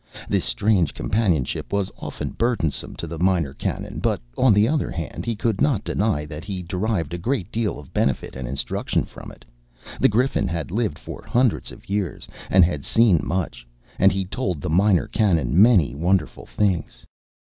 This strange companionship was often burdensome to the Minor Canon; but, on the other hand, he could not deny that he derived a great deal of benefit and instruction from it. The Griffin had lived for hundreds of years, and had seen much; and he told the Minor Canon many wonderful things.